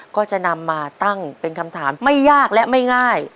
ก็จะนำมาตั้งเป็นคำถามไม่ยากและไม่ง่าย